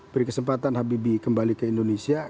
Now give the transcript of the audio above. beri kesempatan habibie kembali ke indonesia